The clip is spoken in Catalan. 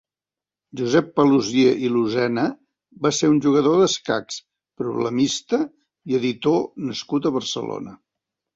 Josep Paluzie i Lucena va ser un jugador d'escacs, problemista, i editor nascut a Barcelona.